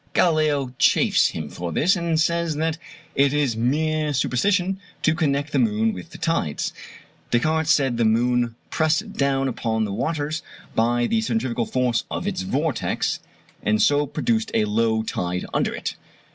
Galileo chaffs him for this, and says that it is mere superstition to connect the moon with the tides. Descartes said the moon pressed down upon the waters by the centrifugal force of its vortex, and so produced a low tide under it.